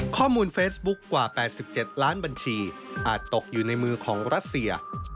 ข้อมูลเฟซบุ๊คกว่า๘๗ล้านบัญชีอาจตกอยู่ในมือของรัสเซีย